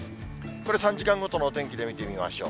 これ、３時間ごとのお天気で見てみましょう。